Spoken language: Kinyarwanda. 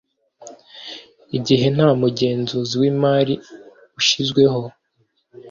igihe nta mugenzuzi w’imari ushyizweho